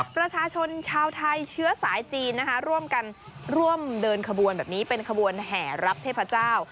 ประชาชนชาวไทยเชื้อสายจีนนะคะร่วมกันร่วมเดินขบวนแบบนี้เป็นขบวนแห่รับเทพเจ้า